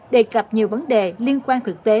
đề cập nhiều vấn đề liên quan thực tế